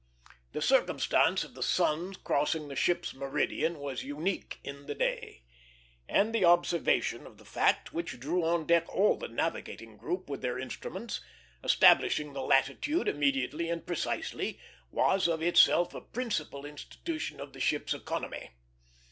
The circumstance of the sun's crossing the ship's meridian was unique in the day; and the observation of the fact, which drew on deck all the navigating group with their instruments, establishing the latitude immediately and precisely, was of itself a principal institution of the ship's economy.